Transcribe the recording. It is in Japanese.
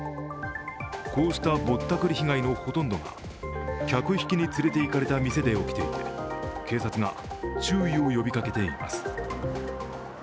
こうした、ぼったくり被害のほとんどが客引きに連れていかれた店で起きていて、警察が注意を呼びかけています。